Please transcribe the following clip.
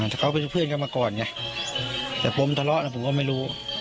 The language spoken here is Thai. อ่าเขาเป็นเพื่อนกันมาก่อนอย่างเงี้ยแต่ผมทะเลาะน่ะผมก็ไม่รู้